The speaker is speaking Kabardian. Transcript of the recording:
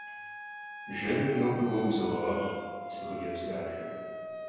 Jjemır nobe vue vuzoğeğexhu, si xhıcebz daxe.